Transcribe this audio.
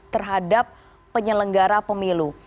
terhadap penyelenggara pemilu